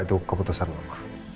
itu keputusan mama